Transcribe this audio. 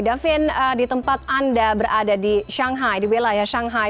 davin di tempat anda berada di shanghai di wilayah shanghai